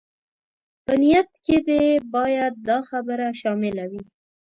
په نيت کې دې بايد دا خبره شامله وي.